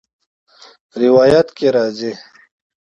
روايت کي راځي :